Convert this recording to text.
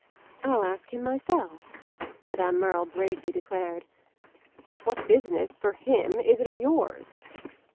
"I'll ask him myself," Madame Merle bravely declared. "But what business for him is it of yours?"